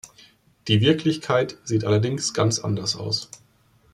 Die Wirklichkeit sieht allerdings ganz anders aus.